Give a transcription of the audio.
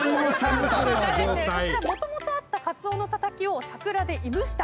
こちらもともとあったカツオのたたきを桜で燻した新商品で。